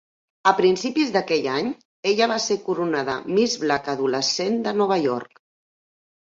A principis d'aquell any, ella va ser coronada Miss Black adolescent de Nova York.